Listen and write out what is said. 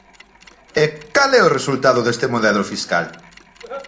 E ¿cal é o resultado deste modelo fiscal?